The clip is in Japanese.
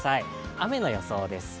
雨の予想です。